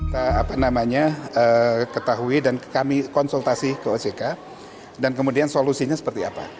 kita apa namanya ketahui dan kami konsultasi ke ojk dan kemudian solusinya seperti apa